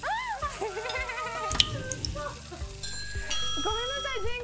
ごめんなさい前回。